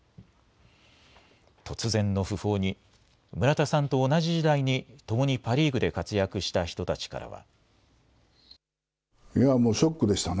突然の訃報に、村田さんと同じ時代にともにパ・リーグで活躍した人たちからは。